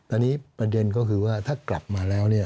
อันนี้ประเด็นก็คือว่าถ้ากลับมาแล้วเนี่ย